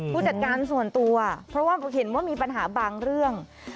ผู้จัดการส่วนตัวเพราะว่าเห็นว่ามีปัญหาบางเรื่อง